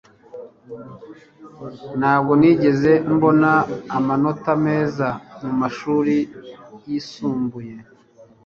Ntabwo nigeze mbona amanota meza mumashuri yisumbuye